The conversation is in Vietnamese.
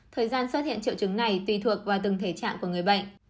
thời gian xuất hiện triệu chứng này tùy thuộc vào từng thể trạng của người bệnh